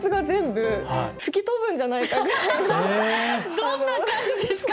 どんな感じですか？